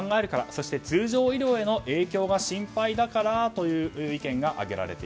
そして通常医療への影響が心配だからという意見でした。